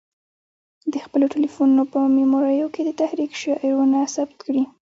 د خپلو تلیفونو په میموریو کې د تحریک شعرونه ثبت کړي.